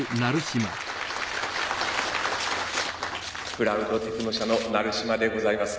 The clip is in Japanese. クラウドテクノ社の成島でございます。